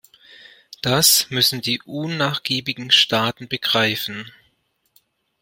Das müssen die unnachgiebigen Staaten begreifen!